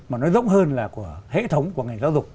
mà nó rộng hơn là của hệ thống của ngành giáo dục